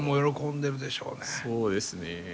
そうですね。